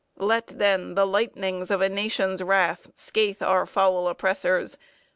Let, then, the lightnings of a nation's wrath scathe our foul oppressors!